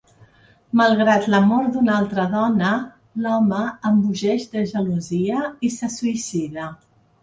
Malgrat l'amor d'una altra dona, l'home embogeix de gelosia i se suïcida.